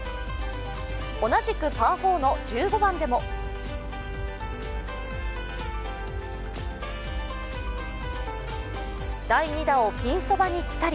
同じくパー４の１５番でも第２打をピンそばにぴたり。